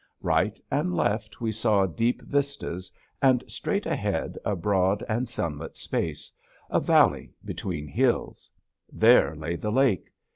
Right and left we saw deep vistas, and straight ahead a broad and sunlit space, a valley between hills; there lay the lake.